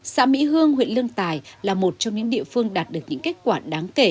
xã mỹ hương huyện lương tài là một trong những địa phương đạt được những kết quả đáng kể